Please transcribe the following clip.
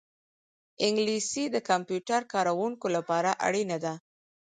انګلیسي د کمپیوټر کاروونکو لپاره اړینه ده